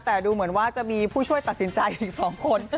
แต่ดูเหมือนว่าจะมีผู้ช่วยตัดสินใจอีก๒คน